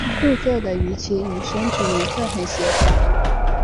素色的鱼鳍与身体颜色很协调。